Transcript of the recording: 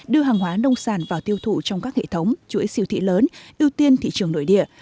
đưa hàng hóa nông sản vào tiêu thụ trong các hệ thống chuỗi siêu thị lớn ưu tiên thị trường nội địa